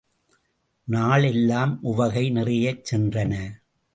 நாள் எல்லாம் உவகை நிறையச் சென்றன.